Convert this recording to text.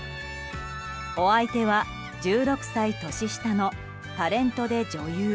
お相手は、１６歳年下のタレントで女優